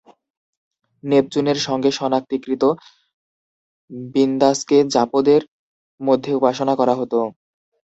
নেপচুনের সঙ্গে শনাক্তিকৃত বিন্দাসকে জাপোদের মধ্যে উপাসনা করা হতো।